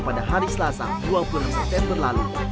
seperti yang terjadi pada hari selasa dua puluh enam september lalu